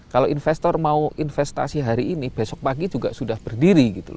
kalau investor mau investasi hari ini besok pagi juga sudah berdiri gitu loh